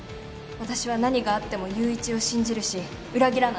私は何があっても友一を信じるし裏切らない。